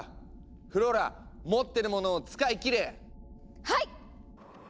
フローラ持ってるものを使い切れ！はいっ！